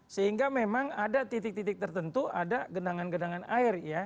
sehingga memang ada titik titik tertentu ada genangan genangan air ya